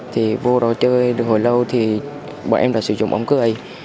thì vô đó chơi được hồi lâu thì bọn em đã sử dụng ống cưới